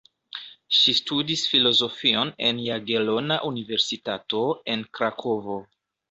Ŝi studis filozofion en Jagelona Universitato en Krakovo.